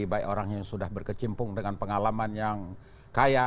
baik orang yang sudah berkecimpung dengan pengalaman yang kaya